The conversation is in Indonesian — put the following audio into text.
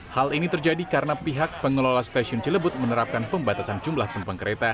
hal ini terjadi karena pihak pengelola stasiun cilebut menerapkan pembatasan jumlah penumpang kereta